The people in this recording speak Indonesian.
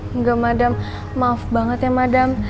enggak madam maaf banget ya madam